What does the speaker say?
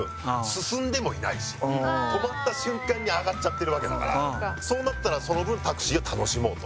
進んでもいないし止まった瞬間に上がっちゃってるわけだからそうなったらその分タクシーを楽しもうと。